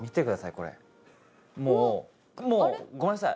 これもうもうごめんなさい